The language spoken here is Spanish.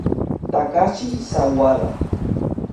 Takashi Sawada